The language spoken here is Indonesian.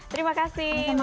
terima kasih mbak dita